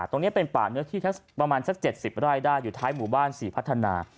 ตรงนี้เป็นป่าเนื้อที่ประมาณสัก๗๐ไร่ได้อยู่ท้ายหมู่บ้านศรีพัฒนา